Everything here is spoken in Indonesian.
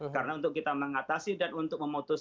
karena untuk kita mengatasi dan untuk memutus